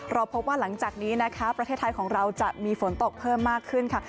เราพบว่าหลังจากนี้นะคะประเทศไทยของเราจะมีฝนตกเพิ่มมากขึ้นค่ะ